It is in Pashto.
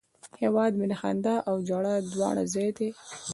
هیواد مې د خندا او ژړا دواړه ځای دی